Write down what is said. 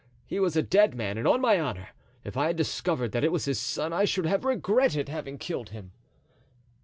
He was a dead man; and on my honor, if I had discovered that it was his son, I should have regretted having killed him."